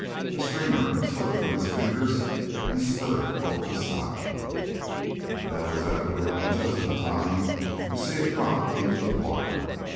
The streamer slipped from his fingers and slithered over the side. Bell was at the railing just in time to see it drop into the water.